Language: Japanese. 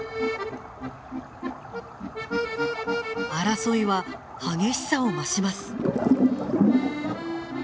争いは激しさを増します。